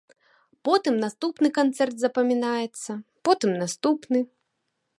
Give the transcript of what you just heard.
Потым наступны канцэрт запамінаецца, потым наступны.